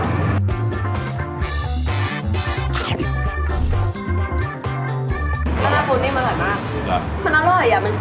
ขอบคุณครับ